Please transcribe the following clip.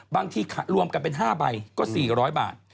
บางทีรวมกันเป็น๕ใบก็๔๐๐บาท